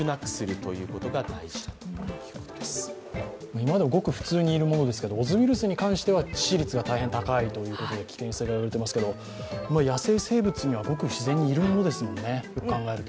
今までもごく普通に、いるものですけどオズウイルスについては、致死率がかなり高いという危険性が言われていますけど、野生生物にはごく自然にいるんですもんね。